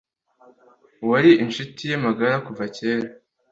wari inshuti ye magara kuva kera